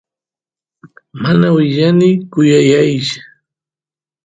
mana willani kuyaysh